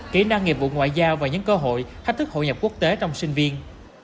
kỹ năng nghiệp vụ ngoại giao và những cơ hội thách thức hội nhập quốc tế trong sinh viên